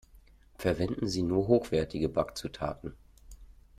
Verwenden Sie nur hochwertige Backzutaten!